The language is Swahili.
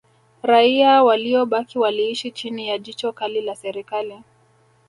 Raia waliobaki waliishi chini ya jicho kali la Serikali